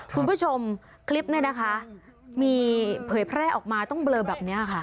คุณผู้ชมคลิปนี้นะคะมีเผยแพร่ออกมาต้องเบลอแบบนี้ค่ะ